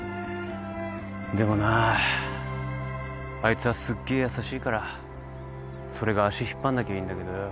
でもなあいつはすっげえ優しいからそれが足引っ張んなきゃいいんだけどよ。